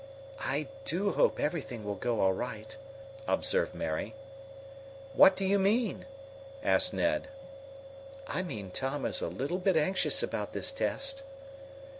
"I do hope everything will go all right," observed Mary. "What do you mean?" asked Ned. "I mean Tom is a little bit anxious about this test."